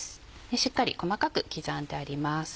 しっかり細かく刻んであります。